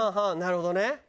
なるほどね。